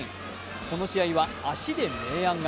この試合は足で明暗が。